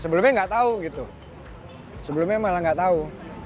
sebelumnya gak tahu gitu sebelumnya malah gak tahu